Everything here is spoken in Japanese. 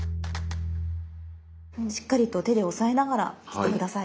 しっかりと手で押さえながら切って下さい。